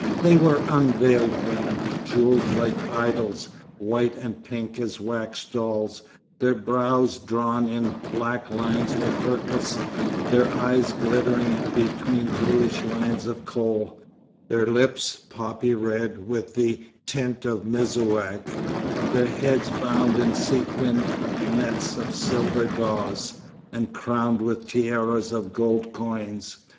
They were unveiled women, jewelled like idols, white and pink as wax dolls, their brows drawn in black lines with herkous, their eyes glittering between bluish lines of kohl, their lips poppy red with the tint of mesouak, their heads bound in sequined nets of silvered gauze, and crowned with tiaras of gold coins.